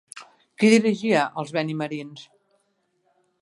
Qui dirigia els benimerins?